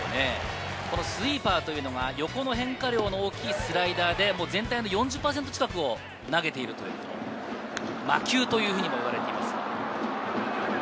スイーパーは横の変化量の大きいスライダーで全体の４０％近くを投げているという魔球といわれています。